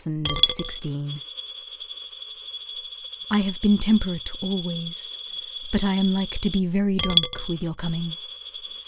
Anticipation I have been temperate always, But I am like to be very drunk With your coming.